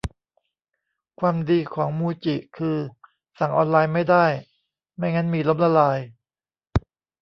ความดีของมูจิคือสั่งออนไลน์ไม่ได้ ไม่งั้นมีล้มละลาย